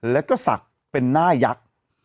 แล้วก็ศักดิ์เป็นหน้ายักษ์